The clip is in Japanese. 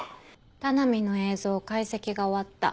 田波の映像解析が終わった。